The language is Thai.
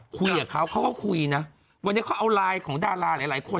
คุยกับเขาเขาก็คุยนะวันนี้เขาเอาไลน์ของดาราหลายคน